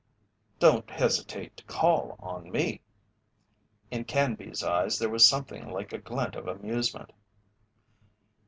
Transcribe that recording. "Don't hesitate to call on me." In Canby's eyes there was something like a glint of amusement.